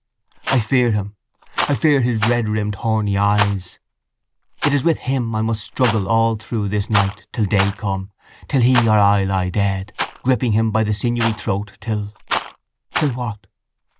I fear him. I fear his redrimmed horny eyes. It is with him I must struggle all through this night till day come, till he or I lie dead, gripping him by the sinewy throat till... Till what?